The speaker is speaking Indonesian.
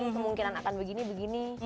kemungkinan akan begini begini